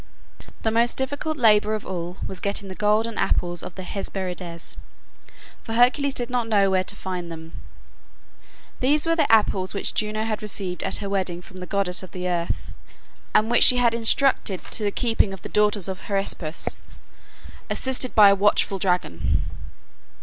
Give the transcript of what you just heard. The most difficult labor of all was getting the golden apples of the Hesperides, for Hercules did not know where to find them. These were the apples which Juno had received at her wedding from the goddess of the Earth, and which she had intrusted to the keeping of the daughters of Hesperus, assisted by a watchful dragon.